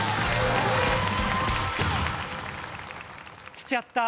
来ちゃった。